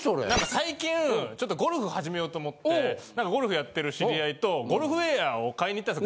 最近ゴルフ始めようと思ってゴルフやってる知り合いとゴルフウェアを買いに行ったんです。